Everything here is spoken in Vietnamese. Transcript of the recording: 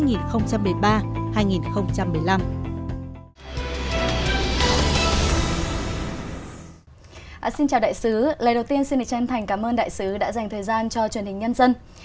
xin chào đại sứ lời đầu tiên xin chân thành cảm ơn đại sứ đã dành thời gian cho truyền hình nhân dân